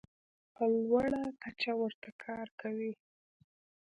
په لوړه کچه ورته کار کوي.